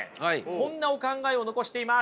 こんなお考えを残しています。